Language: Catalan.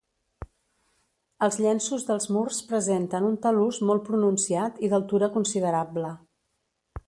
Els llenços dels murs presenten un talús molt pronunciat i d'altura considerable.